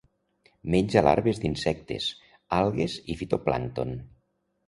Menja larves d'insectes, algues i fitoplàncton.